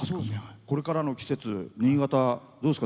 これからの季節、新潟どうですか？